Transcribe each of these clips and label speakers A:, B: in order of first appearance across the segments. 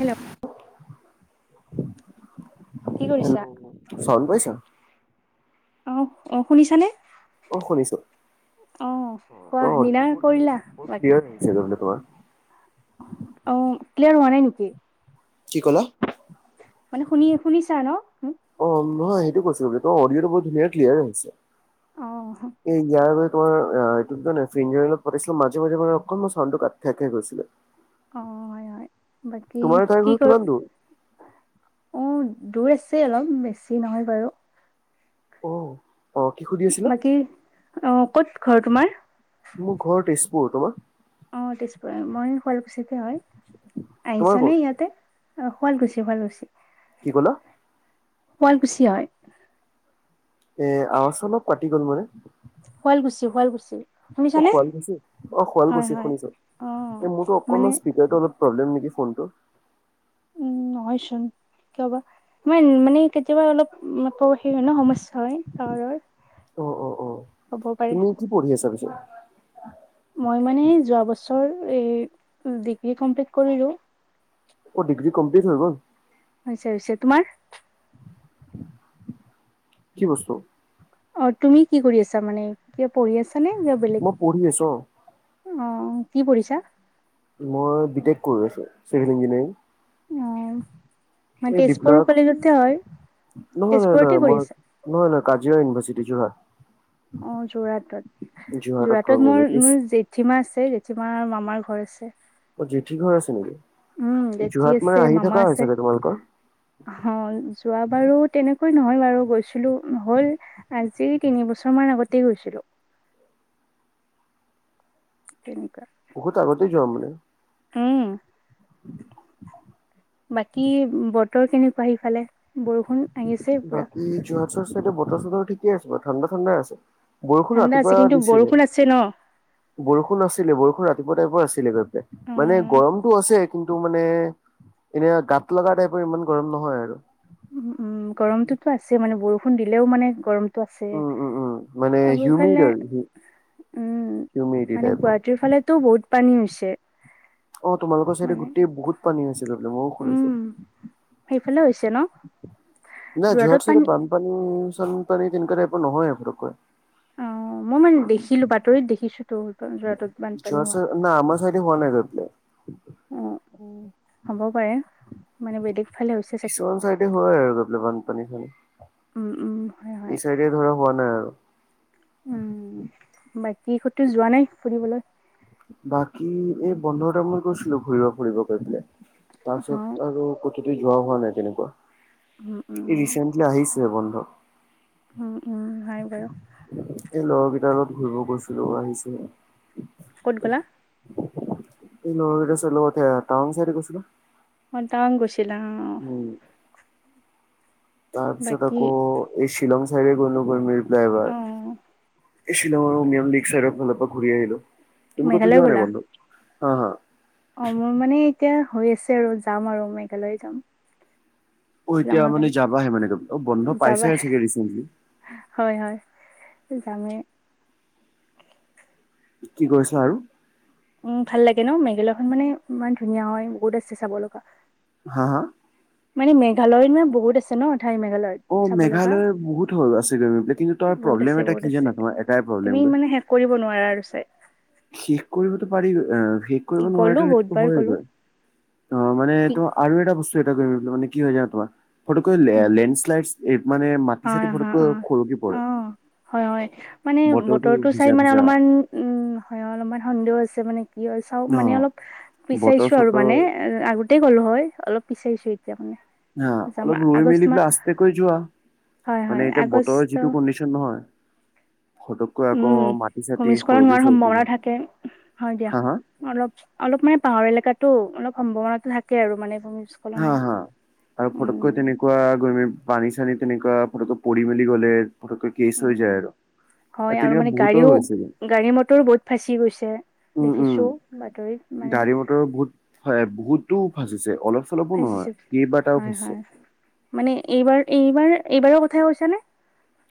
A: Hello কি
B: hello
A: কৰিছা?
B: চাউন পাইছ
A: অ অ শুনিছা নে
B: অ শুনিছো অ ত
A: কোৱা ডিনাৰ
B: বহুত
A: কৰিলা?
B: বহুত
A: অ
B: ক্লিয়াৰ আহিছে তোমাৰ
A: অ ক্লিয়াৰ হোৱা নাই নেকি
B: কি ক'লা
A: মানে শুনি শুনিছা ন মোক?
B: অ নহয় সেইটো কৈছো ত অডিঅটো বহুত ধুনীয়া ক্লিয়াৰ আহিছে
A: অ
B: এই ইয়াৰ গৈ তোমাৰ এ এইটো ফিংগাৰ অলপ পাতিছিলো মাজে মাজে মান অকনমান চাউনটো কাট খাই খাই গৈছিলে [unintelligible]
A: অ হয় হয় বাকী
B: তোমাৰ তাইৰ
A: কি
B: ঘৰ কিমান
A: কৰি
B: দূৰ?
A: অ দূৰ আছে অলপ বেছি নহয় বাৰু
B: অ অ' কি সুধি আছিলা?
A: বাকী অ ক'ত ঘৰ তোমাৰ
B: মোৰ ঘৰ তেজপুৰ তোমাৰ
A: অ তেজপুৰ মই শুৱালকুছিতে হয়
B: তোমাৰ
A: আহিছা নে
B: ক'ত?
A: ইয়াতে অ শুৱালকুছি শুৱালকুছি
B: কি ক'লা
A: শুৱালকুছি হয়
B: এ আৱাজ অলপ কাটি গ'ল মানে
A: শুৱালকুছি শুৱালকুছি
B: অ
A: শুনিছানে?
B: শুৱালকুছি অ
A: হয়
B: শুৱালকুছি
A: হয়
B: শুনিছো
A: অ
B: এ মোৰতো
A: মানে
B: অকনমান স্পীকাৰতো অলপ প্ৰব্লেম নেকি ফোনটো
A: উম নহয়চোন কাবা ইমান মানে কেতিয়াবা অলপ হেৰি হয় ন সমস্যা হয় তাৱাৰৰ
B: অ অ অ
A: হ'বও পাৰে।
B: তুমি কি পঢ়ি আছা পিছে?
A: মই মানে যোৱা বছৰ এই ডিগ্ৰী কমপ্লিট কৰিলো।
B: অ ডিগ্ৰী কমপ্লিট হৈ গল?
A: হৈছে হৈছে, তোমাৰ?
B: [inaudible] কি বস্তু?
A: অ তুমি কি কৰি আছা মানে? কিবা পঢ়ি আছা নে কিবা বেলেগ?
B: মই পঢ়ি আছো অ
A: অ কি পঢ়িছা?
B: মই বি টেক কৰি আছো চিভিল ইঞ্জিনিয়াৰিং।
A: অ মানে
B: এই
A: তেজপুৰ
B: দীপনাক
A: কলেজতে হয়
B: নহয় নহয়
A: তেজপুৰতে
B: নহয়
A: কৰি
B: মই
A: আছা
B: নহয় নহয় কাজিয় ইউনিভাৰ্চিটি যোৰহাট।
A: অ যোৰহাটত যোৰহাটত
B: কৰোগৈ
A: মোৰ
B: পিছ
A: মোৰ জে জেঠীমা আছে জেঠীমাৰ মামাৰ ঘৰ আছে।
B: অ জেঠী ঘৰ আছে নেকি?
A: উম জেঠী
B: যোৰহাত
A: আছে
B: মানে আহি
A: মামা
B: থকা
A: আছে
B: হয় চাগে তোমালোকৰ?
A: অ যোৱা বাৰু তেনেকৈ নহয় বাৰু গৈছিলো, হল আজি তিন বছৰ মান আগতেই গৈছিলোঁ। তেনেকুৱা।
B: বহুত আগতেই যোৱা মানে?
A: উম। বাকী বতৰ কেনেকুৱা সেইফালে? বৰষুণ আহিছে পুৰা
B: বাকী যোৰহাটৰ চাইডে বতৰ চতৰ ঠিকে আছে বাৰু ঠাণ্ডা ঠাণ্ডাই আছে। বৰষুণ
A: ঠাণ্ডা আছে
B: ৰাতিপুৱা
A: কিন্তু
B: দিছিলে।
A: বৰষুণ আছে ন
B: বৰষুণ আছিলে বৰষুণ ৰাতিপুৱা টাইপৰ আছিলে গৈ পেলাই, মানে
A: উম
B: গৰমটো আছে কিন্তু মানে এনেই আ গাত লগা টাইপৰ ইমান গৰম নহয় আৰু।
A: উম উম গৰমটোতো আছে মানে বৰষুণ দিলেও মানে গৰমটো আছে।
B: উম উম উম মানে
A: আৰু
B: হিউমিড
A: এইফালে
B: আৰু
A: উম
B: হিউমিডিটি
A: মানে
B: টাইপৰ।
A: গুৱাহাটীৰ ফালেতো বহুত পানী হৈছে।
B: অ তোমালোকৰ চাইডে
A: মানে
B: গোটেই বহুত পানী হৈছে তাৰমানে মইও
A: উম
B: শুনিছো।
A: সেইফালে হৈছে ন?
B: নাই
A: যোৰহাটত
B: যোৰহাট চাইডে
A: পানী
B: বানপানী চানপানী তেনেকা টাইপৰ নহয় পটককৈ।
A: অ মই মানে দেখিলো বাতৰিত দেখিছো তো যোৰহাটত
B: যোৰহাট
A: বানপানী হোৱা।
B: চাইড না আমাৰ চাইডে হোৱা নাই [unintelligible]
A: অ অ হ'ব পাৰে মানে বেলেগ ফালে হৈছে চাগে
B: কিছুমান চাইডে হয় আৰু গ পেলাই বানপানী চানী
A: উম উম হয় হয়
B: এই চাইড তে ধৰা হোৱা নাই আৰু।
A: উম বাকী কতো যোৱা নাই ফুৰিবলৈ?
B: বাকী এই বন্ধৰ টাইমত গৈছিলো ঘুৰিব ফুৰিব কাৰনে,
A: অ
B: তাৰপিছত আৰু কতোতে যোৱা হোৱা নাই তেনেকুৱা,
A: উম
B: এই
A: উম
B: ৰিচেণ্টলি আহিছে বন্ধ।
A: উম উম হয় বাৰু।
B: এই লগৰকেইটাৰ লগত ঘূৰিব গৈছিলো আহিছোঁহে।
A: ক'ত গ'লা?
B: এই লগৰ কেইটা [unintelligible] টাউন চাইড গৈছিলো।
A: টাউন গৈছিলা অঁ অঁ।
B: উম। তাৰপিছত
A: বাকী
B: আকৌ এই শ্বিলং চাইডে গলোঁ, গৈমিৰ
A: অ
B: প্লাইভাৰ। এই শ্বিলং নিয়ম নিক চাইডৰ ফালৰপৰা ঘূৰি আহিলো, তুমি কতো
A: মেঘালয়
B: যোৱা নাই
A: গ'লা
B: বন্ধত? হা হা
A: অ মোৰ মানে এতিয়া হৈ আছে আৰু যাম আৰু মেঘালয় যাম।
B: অ এতিয়া
A: শ্বিলঙৰ
B: মানে
A: ফালে
B: যাবাহে মানে, অ বন্ধ পাইছা
A: যাবা
B: হে চাগে ৰিচেন্টলি?
A: হয় হয়। যামে
B: কি কৰিছা আৰু?
A: উম, ভাল লাগে ন? মেঘালয় খন মানে ইমান ধুনীয়া হয়, বহুত আছে চাব লগা।
B: হা হা
A: মানে মেঘালয়ত মানে বহুত আছে ন ঠাই মেঘালয়ত?
B: অ
A: চাব লগা
B: মেঘালয় বহুত হৈ আছে গ কিন্তু, তাৰ
A: বহুত আছে
B: প্ৰব্লেম এটা
A: বহুত
B: কি
A: আছে
B: জানা তোমাৰ এটাই
A: তুমি
B: প্ৰব্লেম গ
A: মানে শেষ কৰিব নোৱাৰে আৰু চাই
B: শেষ কৰিবতো পাৰি, অ শেষ কৰিব
A: গ'লো
B: নোৱাৰটো সেইটো
A: বহুতবাৰ
B: হয়য়ে
A: গ'লো
B: গ'ল। অ মানে
A: কি
B: তোমাৰ আৰু এটা বস্তু এটা কৰিব মানে কি হয় জান তোমাৰ ফটোকৈ লেন্স মে [unintelligible] ফাটি
A: হয়
B: চাতি
A: হয় অ
B: ফটককৈ সৰকি
A: অ
B: পৰে,
A: হয় হয় মানে
B: বতৰটো
A: চাই
B: ভিজা
A: মানে
B: ভিজা
A: অলপমান উম, হয় অলপমান সন্দেহ আছে মানে কি হয় চাও মানে
B: অ'
A: অলপ
B: বতৰ
A: বিচাৰিছো আৰু
B: চতৰ
A: মানে। আগতেই গ'লো হয়, অলপ বিচাৰিছো এতিয়া মানে।
B: হা
A: যাম
B: অলপ ৰৈ
A: আগষ্ট
B: মেলি
A: মাহ
B: পেলাই আস্তে কৈ যোৱা
A: হয় হয়
B: মানে, এতিয়া বতৰৰ
A: আগষ্ট
B: যিটো কিন নহয় ক আকৌ
A: উম
B: মাটি চাটি
A: ভূমিস্খলন
B: সৰকি
A: হোৱাৰ
B: চৰকি
A: সম্ভাৱনা
B: বুলি,
A: থাকে হয় দিয়া
B: হা হা?
A: অলপ অলপ মানে পাহাৰ এলেকাতো অলপ, সম্ভাৱনাটো থাকে আৰু মানে ভমি
B: হা হা আৰু ফটকৈ তেনে পোৰা গৈ পানী চানী তেনেকুৱা ফতককৈ পৰি মেলি গ'লে ফ
A: উম, হয় আৰু মানে
B: বহুতৰ
A: গাড়ীও
B: হৈছিলে
A: গাড়ী মটৰো ব ফাঁচি গৈছে
B: উম উম
A: দেখিছো বাতৰিত মানে,
B: গাড়ী বহুত বহুতো ভাজিছে, অলপ চলপো নহয়
A: ফাঁচিছে
B: কেইবাৰটাও
A: হয়
B: ভাজিছে
A: হয় মানে এইবাৰ এইবাৰ এইবাৰৰ কথাই কৈছানে?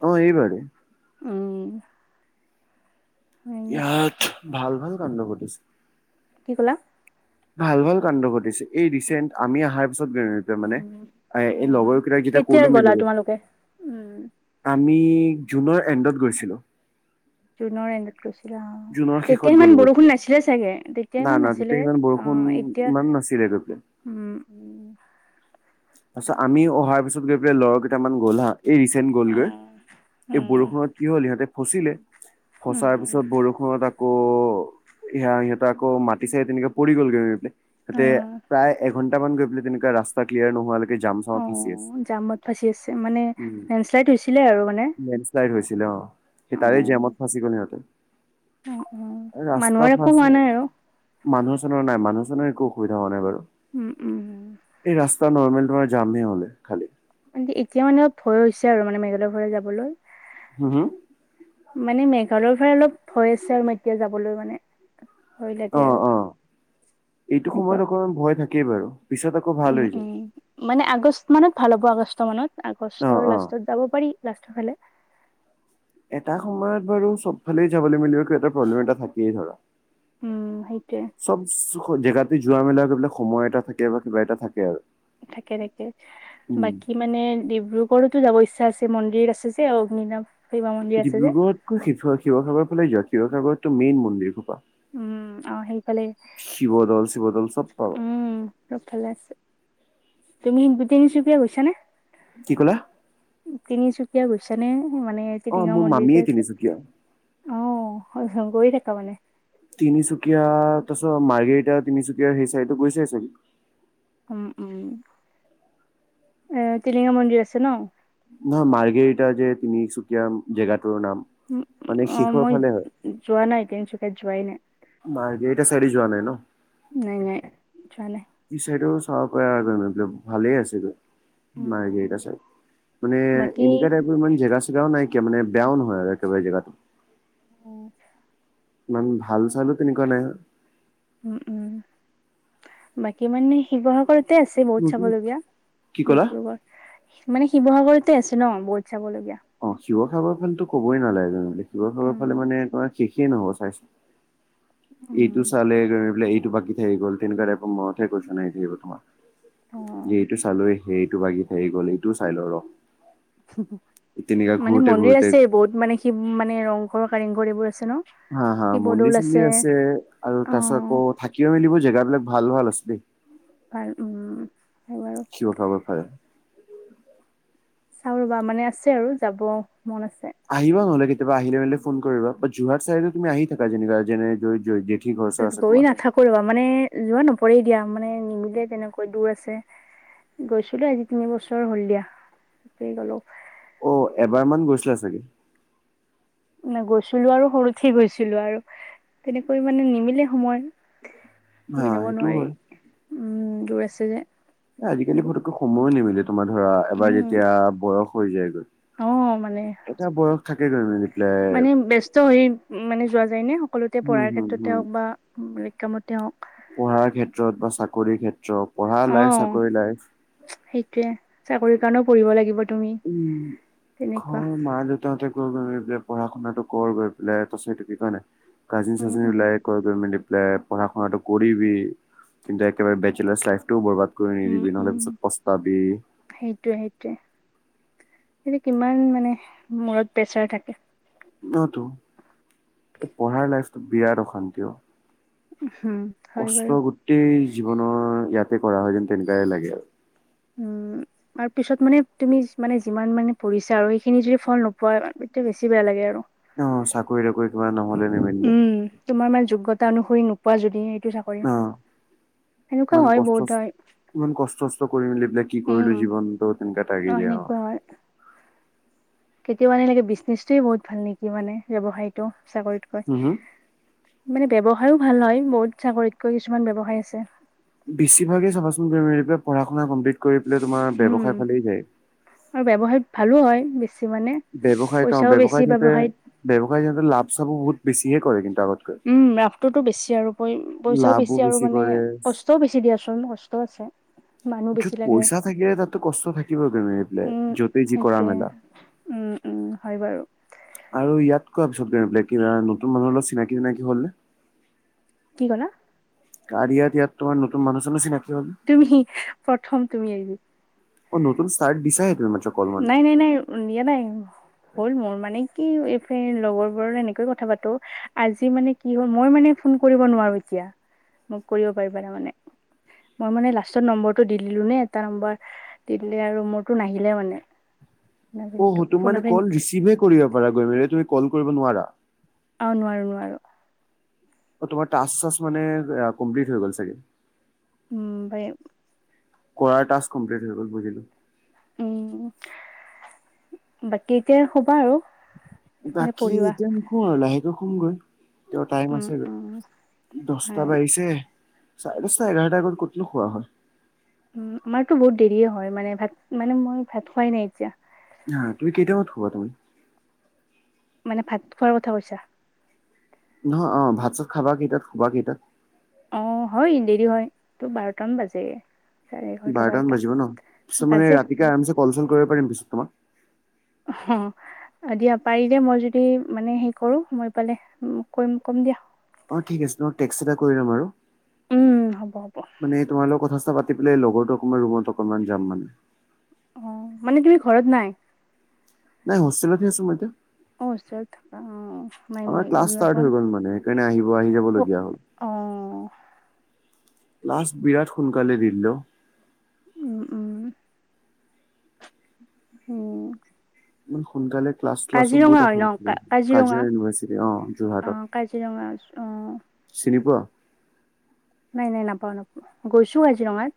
B: অ এইবাৰ
A: অঁ
B: ইয়াত ভাল ভাল কাণ্ড ঘটিছে।
A: কি ক'লা?
B: ভাল ভাল কাণ্ড ঘটিছে। এই ৰিচণ্ট আমি অহাৰ পিছত গ মানে,
A: উম
B: এই
A: হয়
B: লগৰ
A: হয়
B: কেইটাক যেতিয়া
A: কেতিয়া
B: ক'লো
A: গ'লা
B: মিলিলো
A: তোমালোকে? উম
B: আমি জুনৰ এণ্ডত গৈছিলোঁ।
A: জুনৰ এণ্ডত গৈছিলা অ,
B: জুনৰ শেষত
A: তেতিয়া
B: গ'লো
A: সিমান
B: গৈ
A: বৰষুণ
B: পেলাই
A: নাছিলে চাগে?
B: না
A: ইমান
B: না
A: নাছিলে
B: তেতিয়া ইমান
A: অ
B: বৰষুণ
A: এতিয়া
B: ইমান নাছিলেটো।
A: উম উম
B: তাৰপিছত আমি অহাৰ পিছত গৈ পেলাই লগৰ কেইটামান গ'ল হা এই ৰিচেণ্ট গ'লগৈ, এই
A: উম
B: বৰষুণত কি হ'ল সিহঁতে ফচিলে, ফচাৰ
A: উম
B: পিছত বৰষুণ সিহঁত আকৌ, সিহঁততে আকৌ মাতি চাই তেনেকে পৰি গ'লগৈ স পেলাই তাতে
A: উম
B: প্ৰায় এঘন্ট মান গৈ পেলাই তেনেকুৱা ৰাস্তা ক্লিয়াৰ নোহোৱালৈকে যাম
A: অ জামত ফচি আছে মানে,
B: উম
A: লেণ্ডশ্লাইড হৈছিলে আৰু মানে?
B: লেণ্ডশ্লাইড হৈছিলে অ, সেই তাৰে
A: অ
B: জেমত ফাঁচি গ'ল সিহঁতে।
A: অ অ
B: ৰাস্তা
A: মানুহৰ একো হোৱা
B: ফাচে,
A: নাই আৰু
B: মানুহ চনৰ নাই মানুহ চানুৰ একো অসুবিধা হোৱা নাই বাৰু।
A: উম উম
B: এই ৰাস্তা নৰ্মেল তোমাৰ জামেই হলে খালি
A: এতিয়া মানে অলপ ভয় হৈছে আৰু মানে মেঘালয় ফালে যাবলৈ।
B: হু হু?
A: মানে মেঘালয়ৰ ফালে অলপ ভয় আছে আৰু এতিয়া যাবলৈ মানে। ভয় লাগে
B: অ
A: আৰু
B: অ এইটো
A: তেনেকুৱা
B: সময়ত অকণমান ভয় থাকেই বাৰু পিছত আকৌ ভাল
A: উম
B: হৈ যায়।
A: উম মানে আগষ্ট মানত ভাল হ'ব আগষ্ট মানত,
B: অ
A: আগষ্টৰ
B: অ
A: লাষ্টত যাব পাৰি লাষ্টৰ ফালে।
B: এটা সময়ত বাৰু চব ফালে যাবলৈ মিলিব এটা প্ৰব্লেম এটা থাকিয়েই ধৰা।
A: উম সেইটোৱে।
B: চব জেগাতে যোৱা মেলাবিলাক সময় এটা থাকে বা কিবা এটা থাকে আৰু।
A: থাকে থাকে
B: উম
A: বাকী মানে ডিব্ৰুগড়তো যাব ইচ্ছা আছে, মন্দিৰ আছে যে অগ্নি নাম
B: ডিব্ৰুগড়তকৈ শিৱসাগৰ ফালে যোৱা শিৱসাগৰতো মেইন মন্দিৰ সোপা।
A: উম অ সেইফালে,
B: শিৱদৌল শিৱদৌল চব পাবা
A: উম চোব ফালে আছে। তুমি তিনিচুকীয়া গৈছা নে?
B: কি ক'লা?
A: তিনিচুকীয়া গৈছেনে? মানে
B: অ
A: টিলিঙা
B: মোৰ
A: মন্দিৰ
B: মামীয়ে
A: যে আছে।
B: তিনিচুকীয়া
A: অ হ হ গৈ থাকা মানে।
B: তিনিচুকীয়া তচৰ মাৰ্গেটা তিনিচুকীয়া সেই চাইডো গৈছাই চাগে?
A: উম উম এ টিলিঙা মন্দিৰ আছে ন?
B: নহয় মাৰ্গেৰিতা এইটা যে তুনিচুকীয়া জেগাটোৰ নাম।
A: উ
B: মানে
A: অ
B: শেষৰ
A: মই
B: ফালে হয়
A: যোৱা নাই তিনিচুকীয়াত যোৱাই নাই।
B: মাৰ্গেৰিটা চাইডে যোৱা নাই ন?
A: নাই নাই যোৱা নাই।
B: ই চাইডও চাব পৰা আৰু [unintelligible] ভালে আছে গৈ
A: উম,
B: মাৰ্গেৰিটা চাইড। মানে
A: বাকী
B: এনেকুৱা টাইপৰ জেগা নাইকিয়া মানে বেয়া নহয় আৰু একেবাৰে জেগাত।
A: অ
B: ইমান ভাল-চালো তেনেকুৱা নাই।
A: উম উম বাকী মানে শিৱসাগ তে আছে বহুত
B: নতুন
A: চাবলগীয়া
B: কি ক'লা
A: ডিব্ৰুগড় মানে শিৱসাগৰতে আছে ন বহুত চাবলগীয়া।
B: অ শিৱসাগৰ ফালো ক'বই নালাগে, শিৱসাগৰ
A: উম
B: ফালে মানে শেষে নহব চাই এইটো
A: উম
B: চালে গৈ পেলাই এইটো বাকী থাকি গ'ল তেনেকুৱা [unintelligible] তোমাৰ
A: অ
B: যে এইটো চালো সেইটো বাগি থি গ'ল এইটোও চাই লো ৰ। তেনেকা
A: মানে
B: ঘূৰোতে
A: মন্দিৰ
B: ঘূৰোতে
A: আছে বহুত মানে সি মানে ৰংঘৰ কাৰেংঘৰ এইবোৰ আছে ন।
B: হা হা মন্দিৰ চন্দিৰ আছে আৰু তাৰপিছত
A: অ
B: আকৌ থাকিব মেলিব জেগাাবলাক ভাল ভাল আছে দেই।
A: ভাল উম হয় বাৰু।
B: শিৱসাগৰৰ ফালে।
A: চাওঁ ৰ'বা, মানে আছে আৰু, যাব মন আছে।
B: আহিবা নহ'লে কেতিয়াবা আহিলে মানে ফোন কৰিবা, বাত যোৰহাট চাইডে তুমি আহি থাকা যেনে [unintelligible] আছে
A: গৈ
B: তোমাৰ।
A: নাথাকো ৰবা, মানে যোৱা নপৰে দিয়া, মানে নিমিলে তেনেকৈ দূৰ আছে। গৈছিলো আজি তিন বছৰ হ'ল দিয়া, তেতিয়াই গ'লো।
B: অ এবাৰ মান গৈছিলা চাগে?
A: গৈছিলো আৰু সৰুতেই গৈছিলো আৰু তেনেকৈ মানে নিমিলে সময়।
B: হা
A: মিলাব
B: সেইটোও
A: নোৱাৰি,
B: হয়।
A: উম দূৰ আছে যে।
B: আজিকালি ফটকে সময়ো নিমিলে তোমাৰ ধৰা এবাৰ
A: উম
B: যেতিয়া বয়স হৈ যায়গৈ।
A: অ, মানে।
B: এটা বয়স, থাকেগৈ মানে।
A: মানে ব্যস্ত হৈ মানে যোৱা যায় ন, সকলোতে
B: উম,
A: পঢ়াৰ
B: হম,
A: ক্ষেত্ৰতে
B: হম,
A: হ'ওক বা বেলেগ কামতে হক
B: পঢ়াৰ ক্ষেত্ৰত বা চাকৰিৰ ক্ষেত্ৰত, পঢ়াৰ লাইফ চাকৰিৰ লাইফ
A: সেইটোয়েই, চাকৰিৰ কাৰণেও পঢ়িব লাগিব। তুমি
B: উম,
A: তেনেকুৱা
B: ঘৰ মা-দে তহঁতে গৈ বোলে পঢ়া শুনাটো কৰ গৈ পেলাই, কৈছে কি কৰে নে নাই?
A: উম
B: কাজিন-চাজিন
A: উম
B: এইবিলাকে ঘৰত গৈ মেলি পঢ়া শুনাটো কৰিবি, কিন্তু একেবাৰে বেছেলাৰ লাইফতোও বৰবাদ গৈ কৰি নিদিবি, নহ'লে পিছত পস্তাবি।
A: সেইটোৱেই-সেইটোৱেই, সেইটো কিমান মানে মূৰত প্ৰেচাৰ থাকে।
B: নতো, এই পঢ়াৰ লাইফটো বিৰাট অশান্তি অ,
A: হম, হয়
B: কষ্ট
A: বাৰু।
B: গোটেই জীৱনৰ ইয়াতেই কৰা হয় যেন, তেনেকুৱাই লাগে আৰু।
A: উম। আৰু পিছত মানে তুমি মানে যিমান মানে পঢ়িচা আৰু, সেইখিনি যদি ফল নোপোৱা তেতিয়া বেছি বেয়া লাগে আৰু।
B: অ, চাকৰি-তাকৰি কিবা ন'হলে নিমিলিলে।
A: উম, তোমাৰ মানে যোগ্যতা অনুসৰি নোপোৱা যদি এইটো চাকৰি,
B: অ
A: সেনেকুৱা
B: ইমান
A: হয়,
B: কষ্ট
A: বহুতৰ।
B: ইমান কষ্ট-চষ্ট কৰি মেলি এইবিলাক কি
A: উম,
B: কৰিলো জীৱনতটো, তেনেকা থাকি
A: অ',
B: যায় আৰু।
A: সেনেকুৱা হয়। কেতিয়াবা এনেকে বিজনেচটোয়েই বহুত ভাল নেকি? মানে ব্যৱসায়টো, চাকৰিতকৈ
B: হম হম।
A: মানে ব্যৱসায়ও ভাল হয়, বহুত চাকৰিতকৈ কিছুমান ব্যৱসায় আছে।
B: বেছিভাগেই চাবাচোন [unintelligible] পঢ়া শুনা, কমপ্লিট কৰি পেলাই তোমাৰ
A: উম।
B: ব্যৱসায় ফালেই যায়।
A: আৰু ব্যৱসায়ত ভালো হয়, বেছি মানে।
B: ব্যৱসায়ত অ,
A: পইচাও বেছি
B: ব্যৱসায়ত সিহঁতে ব্যৱসায়ত সিহঁতে লাভ- চাভো বহুত বেছিই কৰে কিন্তু আগতকৈ।
A: লাভটোতো বেছি আৰু, প-পইচাও
B: লাভো
A: বেছি আৰু মানে
B: কৰে।
A: কষ্টও বেছি দিয়া চোন, কষ্টও আছে। মানুহ বেছি লাগে
B: পইচা থাকে, তাততো কষ্ট থাকিবই তুমি এইবিলাক,
A: উম,
B: য'তেই যি কৰা,
A: সেইটোৱে
B: মেলা।
A: উম, উম, হয় বাৰু।
B: আৰু ইয়াত কোৱা পিছত গৈ বোলে কিবা, নতুন মানুহৰ লগত চিনাকি-টিনাকি হ'লে?
A: কি ক'লা?
B: কাৰয়াত ইয়াত তোমাৰ নতুন মানুহ চানুহ চিনাকি হ'ল ন
A: তুমি, প্ৰথম তুমিয়েই।
B: অ, নতন ষ্টাৰ্ট দিছাহে তুমি মতলব।
A: নাই, নাই, নাই, দিয়া নাই। হ'ল মোৰ, মানে কি এই ফ্ৰে, লগৰবোৰৰ এনেকৈয়ে কথা পাতো। আজি মানে কি হ'ল, মই মানে ফোন কৰিব নোৱাৰো এতিয়া, মোক কৰিব পাৰিবা তাৰমানে। মই মানে লাষ্টত নম্বৰটো দি দিলো নে, এটা নম্বাৰ দি দিলে আৰু মোৰতো নাহিলে মানে।
B: অ, হ, তুমি
A: ফোন আ
B: মানে
A: ফ্ৰেণ্ড
B: ক'ল ৰিচিভহে কৰিব পাৰাগৈ, মানে তুমি ক'ল কৰিব নোৱাৰা।
A: অ, নোৱাৰো নোৱাৰো।
B: অ, তোমাৰ টাস্ক-চাস্ক মানে কমপ্লিট হৈ গ'ল চাগে।
A: উম, হয়।
B: কৰাৰ টাস্ক কমপ্লট হৈ গ'ল, বুজিলো।
A: উম, বাকী এতিয়া, সোবা আৰু। এনে
B: বাকী
A: পঢ়িবা
B: এতিয়া নুখো আৰু লাহেকৈ খোমগৈ, তেওঁ টাইম
A: উম উম
B: আছেগৈ। দশটা
A: হয়
B: বাঢ়িছে, চাৰে দশটা এঘাৰটা আগত ক'তনো খোৱা হয়।
A: উম আমাৰতো বহুত দেৰিয়ে হয় মানে ভাত মানে মই ভাত খোৱাই নাই এতিয়া।
B: হা তুমি কেইটাইমত খোৱা তুমি?
A: মানে ভাত খোৱাৰ কথা কৈছা?
B: নহয় অ, ভাত - চাত খাবা কেইটাত? শুবা কেইটাত?
A: অ হয় দেৰি হয়, তোৰ বাৰটামান বাজে। চাৰে এঘাৰটা
B: বাৰটামান
A: বাৰটা
B: বাজিব ন পিছত মানে
A: বাজে
B: ৰাতিকে আৰামচে কল - চল কৰিব পাৰিম পিছত তোমাক?
A: অ হ হ অ দিয়া পাৰি দে, মই যদি মানে হে কৰো, মই পালে উম কৰিম কম দিয়া।
B: অ ঠিক আছে, তোমাক টেক্স এটা কৰি লম আৰু।
A: উম হ'ব হ'ব।
B: মানে তোমাৰ লগৰ কথা - চটা পাতি পেলাই লগৰো অকণমান ৰুমত অকনমান যাম মানে।
A: অ মানে তুমি ঘৰত নাই?
B: নাই হষ্টেলতে আছো মই এতিয়া।
A: অ ওচৰত থাকা অ নাই
B: আমাৰ
A: মই গম
B: ক্লাছ ষ্টাৰট
A: নাপাওঁ
B: হৈ গল মানে সেইকাৰণে আহিব আহি যাব লগীয়া হ'ল।
A: অ
B: লাষ্ট বিৰাট সোনকালে দি দিলোঁ।
A: উম উ উম।
B: ইমান সোনকালে ক্লাছ ক্লাছো
A: কাজিৰঙা
B: বহুত
A: হয় ন
B: অসমসবি [inaudible] কাজিৰঙা ইউনিভাৰ্চিটি অ
A: অ
B: যোৰহাটত।
A: কাজিৰঙা অ
B: চিনি পোৱা?
A: নাই নাই নাপাও নাপ, গৈছোঁ কাজিৰঙাত।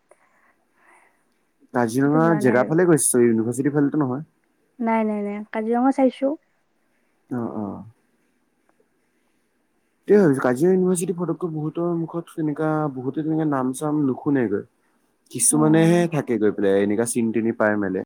A: তাতে
B: কাজিৰঙা
A: যোৱা নাই আৰু
B: জেগাফালে গৈছে, ইউনিভাৰ্চিটি ফালেতো নহয়?
A: নাই নাই নাই, কাজিৰঙা চাইছো।
B: অ অ। তেই ভাবছো কাজিৰ ইউনিভাৰ্চিটিৰ পটককৈ বহুতৰ মুখত তেনেকা বহুতে তেনেকা নাম - চাম নুশুনেগৈ।
A: অ
B: কিছুমানেহে থাকে গৈ পেলাই এনেকুৱা চিনি - তিনি পাই মেলে।